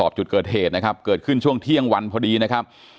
จุดเกิดเหตุนะครับเกิดขึ้นช่วงเที่ยงวันพอดีนะครับ